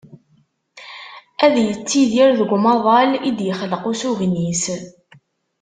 Ad yettidir deg umaḍal i d-yexleq usugen-is.